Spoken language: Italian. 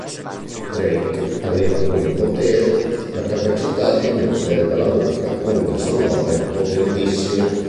Drake aveva come potere, la capacità di emettere dalla bocca onde sonore potentissime.